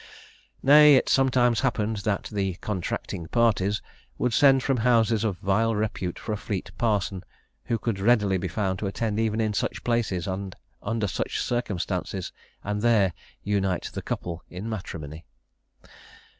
Nay, it sometimes happened that the "contracting parties" would send from houses of vile repute for a Fleet parson, who could readily be found to attend even in such places and under such circumstances, and there unite the couple in matrimony!